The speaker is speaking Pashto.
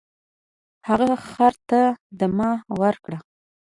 هغه خر ته دمه ورکړه.